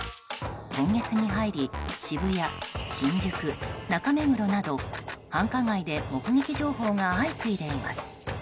今月に入り渋谷、新宿、中目黒など繁華街で目撃情報が相次いでいます。